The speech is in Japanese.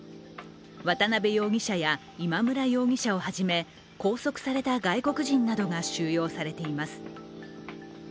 渡辺容疑者や今村容疑者をはじめ拘束された外国人などが収容されています。